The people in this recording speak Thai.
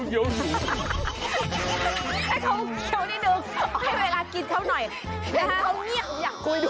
นอกเกี๊ยวนิดหนึ่งทำให้เวลากินเขาหน่อยแล้วเค้าเหงียกอยากคุยด้วย